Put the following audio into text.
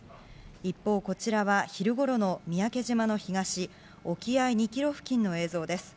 一方、こちらは昼ごろの三宅島の東沖合２ｋｍ付近の映像です。